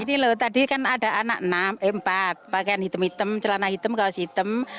ini loh tadi kan ada anak enam empat pakaian hitam hitam celana hitam kaos hitam